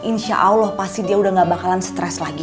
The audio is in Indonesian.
insya allah pasti dia udah gak bakalan stres lagi